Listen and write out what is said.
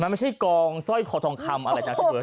มันไม่ใช่กองสร้อยคอทองคำอะไรนะพี่เบิร์